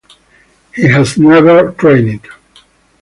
He has never trained.